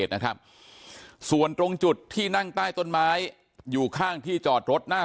นะครับส่วนตรงจุดที่นั่งใต้ต้นไม้อยู่ข้างที่จอดรถหน้า